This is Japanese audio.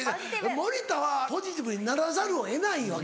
森田はポジティブにならざるを得ないわけやろ？